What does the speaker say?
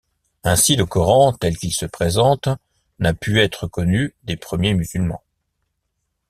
Ainsi le Coran tel qu'il se présente n'a pu être connu des premiers musulmans.